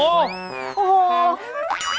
โอ้โห